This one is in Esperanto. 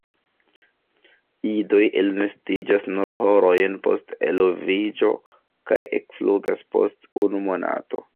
Idoj elnestiĝas nur horojn post eloviĝo kaj ekflugas post unu monato.